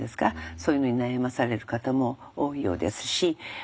そういうのに悩まされる方も多いようですしでなおかつ